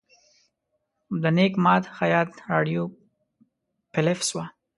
د نیک ماد خیاط راډیو فلپس وه.